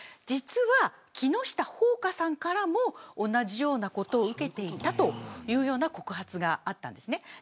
実は木下ほうかさんからも同じようなことを受けていたというような告発があったわけです。